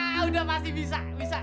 nah udah masih bisa